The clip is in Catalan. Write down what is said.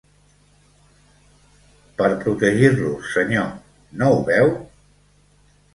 Per protegir-los, senyor, no ho veu?